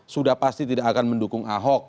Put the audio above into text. sudah pasti tidak akan mendukung ahok